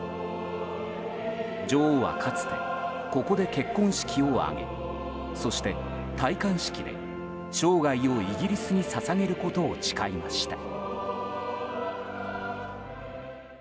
女王はかつてここで結婚式を挙げそして、戴冠式で生涯をイギリスに捧げることを誓いました。